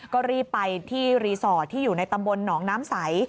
ก็รีบไปที่รีสอร์ทที่อยู่ในตำบลหนองน้ำใส